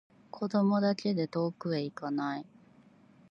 子供だけで遠くへいかない